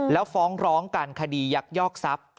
แล้วฟ้องร้องกันคดียักยอกทรัพย์